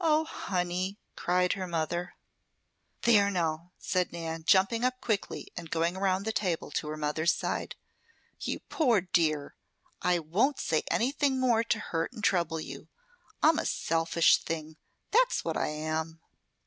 "Oh, honey!" cried her mother. "There now!" said Nan, jumping up quickly and going around the table to her mother's side. "You poor dear! I won't say anything more to hurt and trouble you. I'm a selfish thing, that's what I am."